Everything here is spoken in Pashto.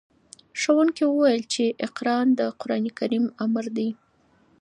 ښوونکي وویل چې اقرأ د قرآن لومړی امر دی.